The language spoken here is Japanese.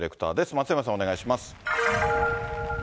松山さん、お願いします。